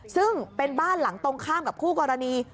ซึ่งเป็นบ้านหลังตรงข้ามกับคู่กรณี